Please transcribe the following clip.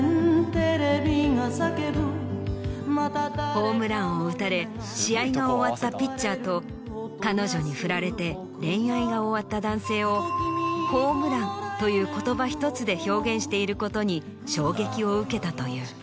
ホームランを打たれ試合が終わったピッチャーと彼女にフラれて恋愛が終わった男性を「ホームラン」という言葉１つで表現していることに衝撃を受けたという。